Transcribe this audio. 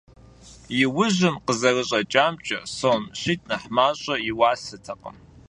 Иужьым къызэрыщӀэкӀамкӀэ, сом щитӀ нэхъ мащӀэ и уасэтэкъым.